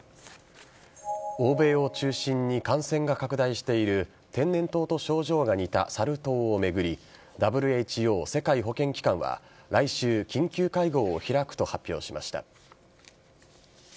欧米を中心に感染が拡大している天然痘と症状が似たサル痘を巡りＷＨＯ＝世界保健機関期間は来週、緊急会合を開くと発表しました。